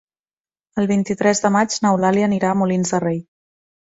El vint-i-tres de maig n'Eulàlia anirà a Molins de Rei.